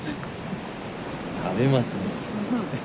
食べますね。